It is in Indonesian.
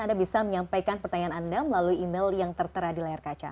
anda bisa menyampaikan pertanyaan anda melalui email yang tertera di layar kaca